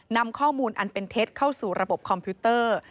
นำข้อมูลอันเป็นเท็จเข้าสู่ระบบคอมพิวเตอร์